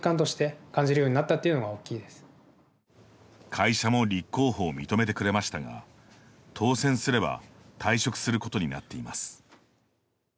会社も立候補を認めてくれましたが当選すれば退職することになっています。